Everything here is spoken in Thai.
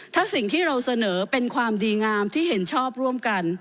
ถ้าสิ่งที่เราเสนอเป็นความดีงามที่เห็นชอบร่วมกัน